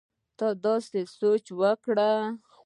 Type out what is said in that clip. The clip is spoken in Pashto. ته داسې سوچ وکړه